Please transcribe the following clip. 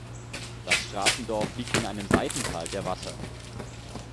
Das Straßendorf liegt in einem Seitental der Watter.